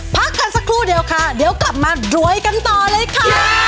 พักกันสักครู่เดียวค่ะเดี๋ยวกลับมารวยกันต่อเลยค่ะ